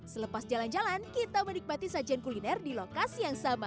selepas jalan jalan kita menikmati sajian kuliner di lokasi yang sama